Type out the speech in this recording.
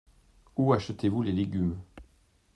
Où achetez-vous les légumes ?